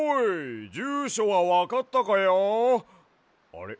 あれ？